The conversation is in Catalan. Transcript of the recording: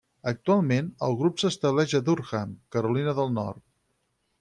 Actualment, el grup s'estableix a Durham, Carolina del Nord.